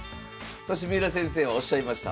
そして三浦先生はおっしゃいました。